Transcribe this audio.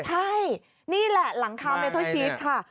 ใช่นี่แหละหลังคาเมทัลชีสค่ะ